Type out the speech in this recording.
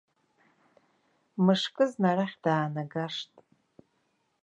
Мышкызны арахь даанагашт.